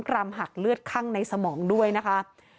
รำหักเลือดคั่งในสมองด้วยนะคะ